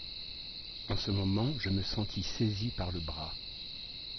En ce moment, je me sentis saisi par le bras.